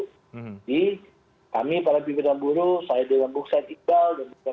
jadi kami para pimpinan buruh saya dengan buk sain iqbal dan buk sain iqbal